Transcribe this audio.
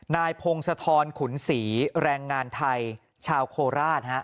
นายพงศธรขุนศรีแรงงานไทยชาวโคราช